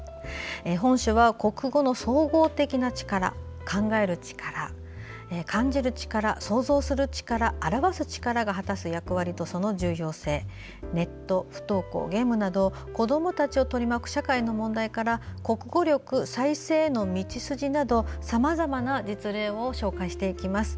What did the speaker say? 本書は、国語の総合的な力考える力、感じる力、想像する力表す力が果たす役割とその重要性ネット、不登校、ゲームなど子どもたちを取り巻く社会の問題から国語力再生への道筋などさまざまな実例を紹介していきます。